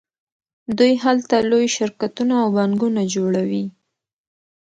دوی هلته لوی شرکتونه او بانکونه جوړوي